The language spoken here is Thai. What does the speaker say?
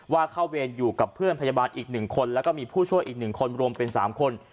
ว่าเขาเวรอยู่กับเพื่อนพยาบาลอีกหนึ่งคนแล้วก็มีผู้ช่วยอีกหนึ่งคนรวมเป็นสามคน